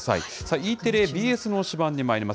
Ｅテレ、ＢＳの推しバン！にまいります。